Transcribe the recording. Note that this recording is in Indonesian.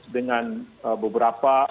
dengan beberapa skenario